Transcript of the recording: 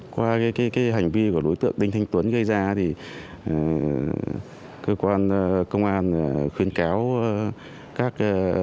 qua hành vi của đối tượng đinh thanh tuấn gây ra thì cơ quan công an khuyến cáo các